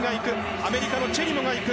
アメリカのチェリモがいく。